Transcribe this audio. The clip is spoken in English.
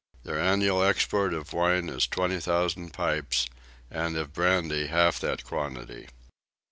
Their annual export of wine is twenty thousand pipes and of brandy half that quantity.